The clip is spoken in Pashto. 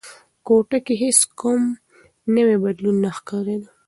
کوټه کې هیڅ کوم نوی بدلون نه ښکارېده.